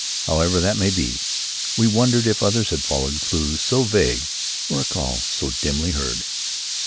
However that may be, we wondered if others had followed clues so vague or a call so dimly heard.